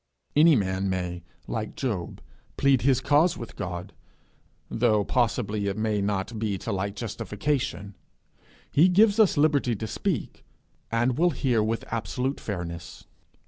Any man may, like Job, plead his cause with God though possibly it may not be to like justification: he gives us liberty to speak, and will hear with absolute fairness.